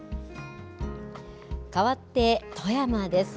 かわって富山です。